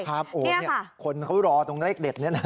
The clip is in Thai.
คุณเขารอตรงเลขเด็ดเนี่ยนะ